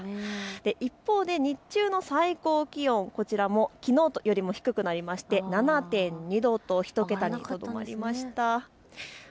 一方で日中の最高気温、こちらもきのうよりも低くなって７．２度と１桁にとどまりました。